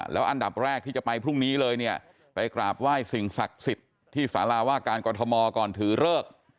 แล้วอันดับแรกที่จะไปพรุ่งนี้เลยเนี่ยไปกราบไหว้สิ่งศักดิ์สิทธิ์ที่สาราว่าการกรทมก่อนถือเลิก